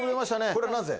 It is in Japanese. これなぜ？